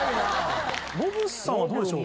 ノブさんはどうでしょう？